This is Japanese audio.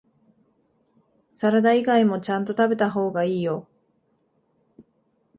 サラダ以外もちゃんと食べた方がいいよ